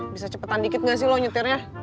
bisa cepetan dikit gak sih lo nyetirnya